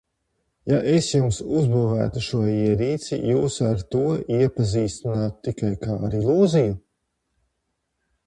Ja es jums uzbūvētu šo ierīci, jūs ar to iepazīstinātu tikai kā ar ilūziju?